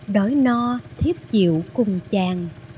đói no thiếp chịu cùng chàng